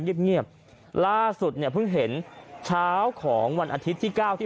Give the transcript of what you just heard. เงียบเงียบล่าสุดเนี่ยเพิ่งเห็นเช้าของวันอาทิตย์ที่เก้าที่